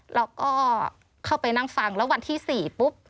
แล้วก็เข้าไปนั่งฟังแล้ววันที่๔ปุ๊บ